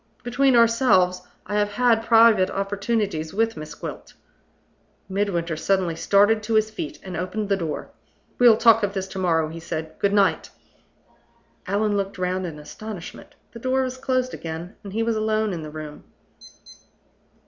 Between ourselves, I have had private opportunities with Miss Gwilt " Midwinter suddenly started to his feet, and opened the door. "We'll talk of this to morrow," he said. "Good night." Allan looked round in astonishment. The door was closed again, and he was alone in the room.